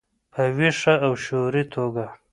په ویښه او شعوري توګه.